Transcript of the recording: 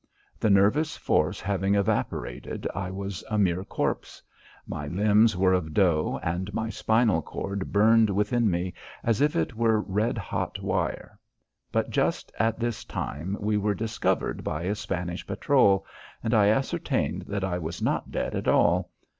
The nervous force having evaporated I was a mere corpse. My limbs were of dough and my spinal cord burned within me as if it were red hot wire. But just at this time we were discovered by a Spanish patrol, and I ascertained that I was not dead at all.